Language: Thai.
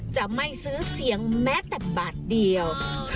จะไม่ซื้อเสียงแม้แต่บาทเดียว